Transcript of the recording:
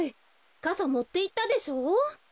かさもっていったでしょ？